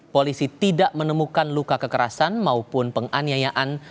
polisi tidak menemukan luka kekerasan maupun penganiayaan